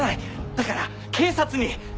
だから警察に。